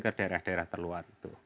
ke daerah daerah terluar itu